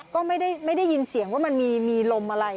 ก็ไม่ได้ยินเสียงว่ามันมีลมอะไร